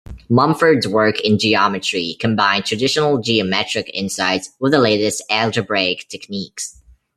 Mumford's work in geometry combined traditional geometric insights with the latest algebraic techniques.